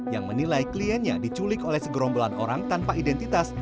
yang menilai kliennya diculik oleh segerombolan orang tanpa identitas